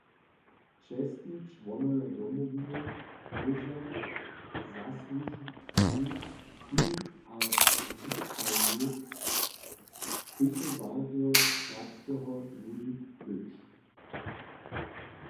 Čestni čłonojo Domowiny móža zasłužbni tu- a wukrajni spěchowarjo serbskeho ludu być.